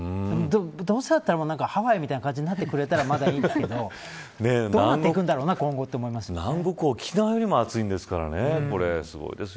どうせだったらハワイみたいな感じになってくれたらまだいいんですけどどうなっていくんだろうな今後南国、沖縄よりも暑いですからね。